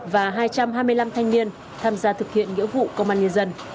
và hai trăm hai mươi năm thanh niên tham gia thực hiện nghĩa vụ công an nhân dân